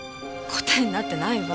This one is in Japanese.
答えになってないわ。